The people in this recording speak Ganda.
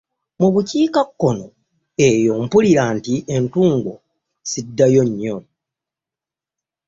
Mu bukiika kkono eyo mpulira nti entungo ziddayo nnyo.